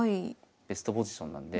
ベストポジションなんで。